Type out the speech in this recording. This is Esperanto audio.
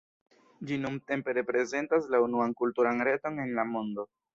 Ĝi nuntempe reprezentas la unuan kulturan reton en la mondo.